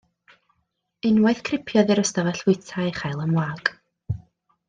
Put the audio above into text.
Unwaith cripiodd i'r ystafell fwyta a'i chael yn wag.